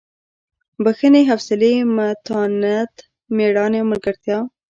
بښنې حوصلې متانت مېړانې او ملګرتیا.